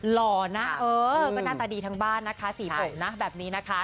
หล่อนะเออก็หน้าตาดีทั้งบ้านนะคะสีผมนะแบบนี้นะคะ